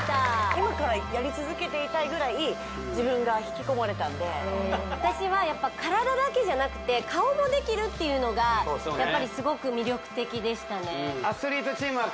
今からやり続けていたいぐらい自分が引き込まれたんで私はやっぱ体だけじゃなくて顔もできるっていうのがやっぱりすごく魅力的でしたね